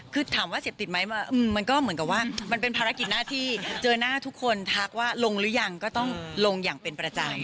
คือถามว่าเสพติดไหมมันก็เหมือนกับว่ามันเป็นภารกิจหน้าที่เจอหน้าทุกคนทักว่าลงหรือยังก็ต้องลงอย่างเป็นประจำ